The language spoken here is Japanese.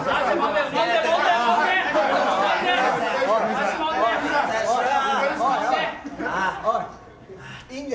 足もんで。